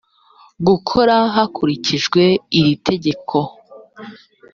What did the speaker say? gukora hakurikijwe iri tegeko